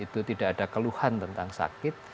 tidak ada keluhan tentang sakit